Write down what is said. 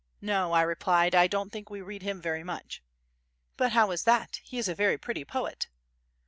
"No," I replied, "I don't think we read him very much." "But how is that? He is a very pretty poet."